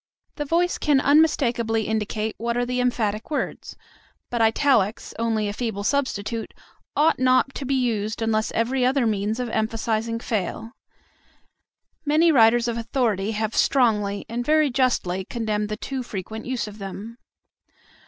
The voice can unmistakably indicate what are the emphatic words; but italics, only a feeble substitute, ought not to be used unless every other means of emphasizing fail. Many writers of authority have strongly, and very justly, condemned the too frequent use of them.